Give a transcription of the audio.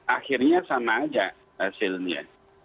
akhirnya sama aja hasilnya